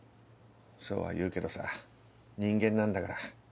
そうは言うけどさ人間なんだから。